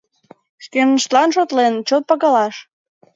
Шкеныштлан шотлен, чот пагалаш